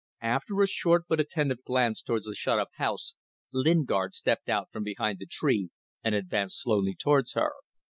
After a short but attentive glance towards the shut up house, Lingard stepped out from behind the tree and advanced slowly towards her.